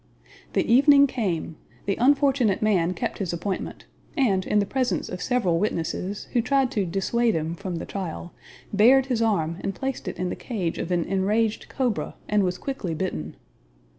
The evening came; the unfortunate man kept his appointment, and, in the presence of several witnesses, who tried to dissuade him from the trial, bared his arm and placed it in the cage of an enraged cobra and was quickly bitten.